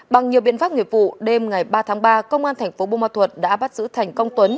bằng nhiều biện pháp nghiệp vụ đêm ngày ba tháng ba công an thành phố bô ma thuật đã bắt giữ thành công tuấn